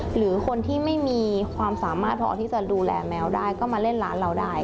หรือคนที่ไม่มีความสามารถพอที่จะดูแลแมวได้ก็มาเล่นร้านเราได้